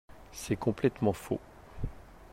C’est complètement faux!